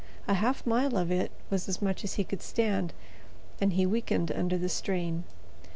A half mile of it was as much as he could stand, and he weakened under the strain.